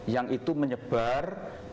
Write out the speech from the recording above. yang itu menyebar